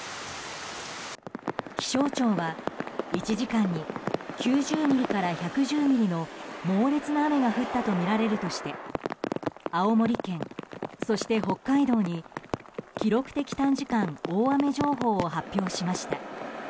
気象庁は１時間に９０ミリから１１０ミリの猛烈な雨が降ったとみられるとして青森県、そして北海道に記録的短時間大雨情報を発表しました。